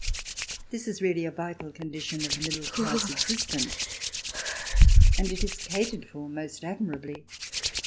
This is really a vital con dition of middle class existence. And it is catered for most admirably.